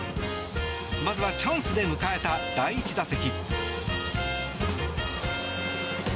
まずはチャンスで迎えた第１打席。